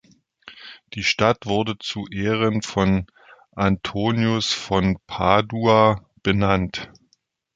Die Stadt wurde zu Ehren von Antonius von Padua benannt.